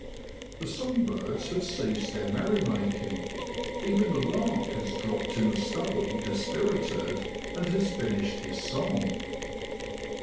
The song birds have ceased their merrymaking, even the lark has dropped in the stubble dispirited and has finished his song.